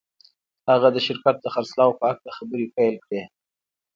هغه د شرکت د خرڅلاو په هکله خبرې پیل کړې